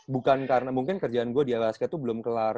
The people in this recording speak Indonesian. bukan karena mungkin kerjaan gue di lsk itu belum kelar